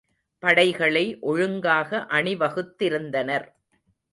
படைகளை ஒழுங்காக அணி வகுத்திருந்தனர்.